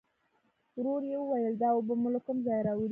ورو يې وویل: دا اوبه مو له کوم ځايه راوړې؟